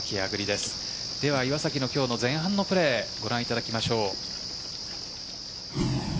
では、岩崎の今日の前半のプレーご覧いただきましょう。